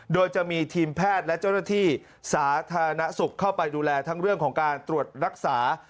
โดยจะมีทีมแพทย์และเจ้าหน้าที่สาธารณสุขเข้าไปดูแลทั้งเรื่องของการตรวจรักษา